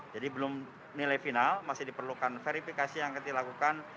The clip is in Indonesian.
jadi belum nilai final masih diperlukan verifikasi yang akan dilakukan